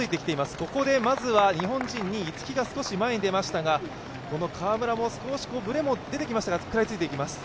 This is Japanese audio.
ここでまずは日本人２位、逸木が少し前に出てきましたが、川村もブレも出てきましたが食らいついていきます。